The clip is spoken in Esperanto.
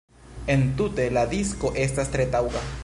Entute, la disko estas tre taŭga.